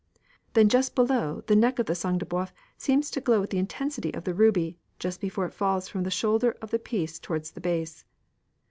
Then just below the neck the "sang de b┼ōuf" seems to glow with the intensity of the ruby, just before it falls from the shoulder of the piece towards the base.